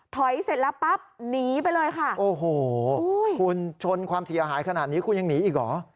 ถอยเสร็จแล้วปั๊บหนีไปเลยค่ะโอ้โหคุณชนความเสียหายขนาดนี้คุณยังหนีอีกเหรอ